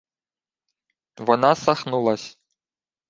Вона сахнулась: